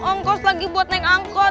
om kau lagi buat naik angkot